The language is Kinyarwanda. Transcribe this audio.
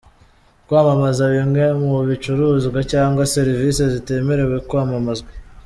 Kwamamaza bimwe mu bicuruzwa cyangwa serivisi zitemerewe kwamamazwa: .